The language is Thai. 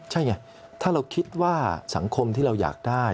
ใช่ไงถ้าเราคิดว่าสังคมที่เราอยากได้